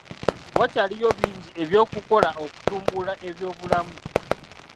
Wakyaliyo bingi eby'okukola okutumbula ebyobulamu.